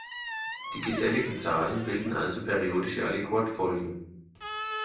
Die geselligen Zahlen bilden also periodische Aliquot-Folgen.